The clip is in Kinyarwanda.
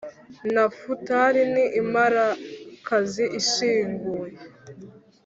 Nafutali ni imparakazi ishinguye